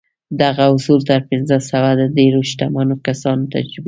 دغه اصول تر پينځه سوه د ډېرو شتمنو کسانو تجربې دي.